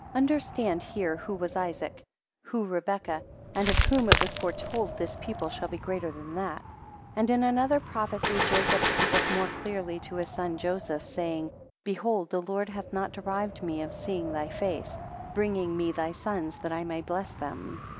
Understand here who was Isaac; who Rebekah; and of whom it was foretold, this people shall be greater than that. 5 And in another prophecy Jacob speaketh more clearly to his son Joseph, saying; Behold the Lord hath not derived me of seeing thy face, bring me thy sons that I may bless them.